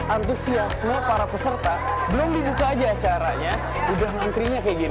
antusiasme para peserta belum dibuka aja caranya udah ngantrinya kayak gini